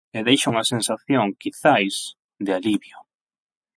E deixa unha sensación, quizais, de alivio.